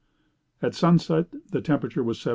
"'At sunset, the temperature was 70°.